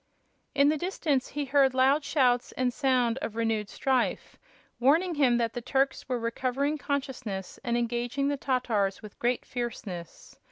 In the distance he heard loud shouts and sound of renewed strife, warning him that the Turks were recovering consciousness and engaging the Tatars with great fierceness.